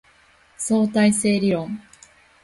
相対性理論